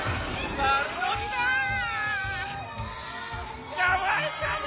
つかまえたぞ！